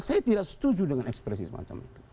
saya tidak setuju dengan ekspresi semacam itu